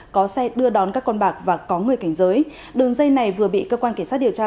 có xe đưa đón các con bạc và có người cảnh giới đường dây này vừa bị cơ quan cảnh sát điều tra